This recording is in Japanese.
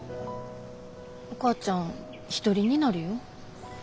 お母ちゃんひとりになるよ？